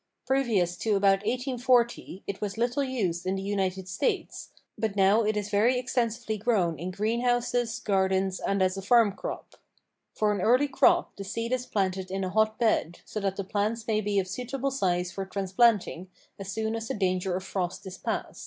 Previous to about 1840 it was little used in the United States, but now it is very extensively grown in green houses, gardens and as a farm crop. For an early crop the seed is planted in a hot bed, so that the plants may be of suitable size for transplanting as soon as the danger of frost is past.